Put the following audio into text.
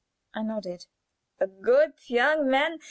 I nodded. "A good young man!